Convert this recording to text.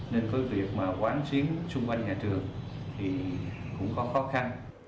nên có việc mà quán chiếm chung quanh nhà trường thì cũng có khó khăn